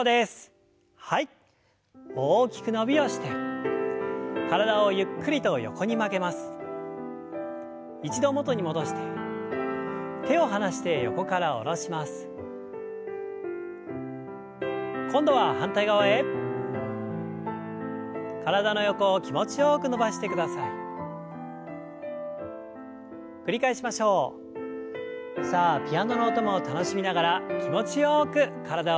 さあピアノの音も楽しみながら気持ちよく体をほぐしていきます。